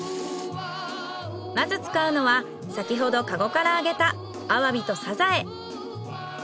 まず使うのは先ほどかごからあげたアワビとサザエ。